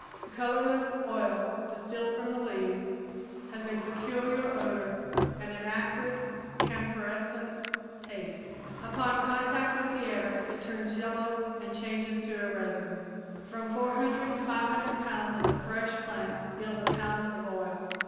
The colorless oil distilled from the leaves has a peculiar odor and an acrid, camphorescent taste. Upon contact with the air it turns yellow and changes to a resin. From 400 to 500 pounds of the fresh plant yield a pound of oil.